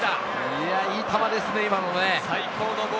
いや、いい球ですね、今のね。